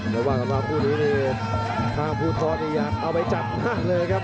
ระหว่างขวาผู้ดีข้างผู้ทอดอย่างอยากเอาไว้จับเลยครับ